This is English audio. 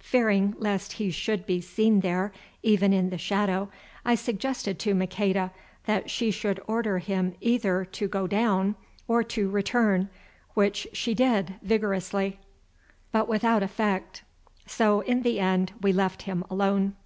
Fearing lest he should be seen there, even in the shadow, I suggested to Maqueda that she should order him either to go down, or to return, which she did vigorously, but without effect. So in the end we left him alone.